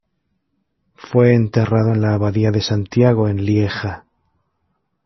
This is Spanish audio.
Fue enterrado en la abadía de Santiago, en Lieja.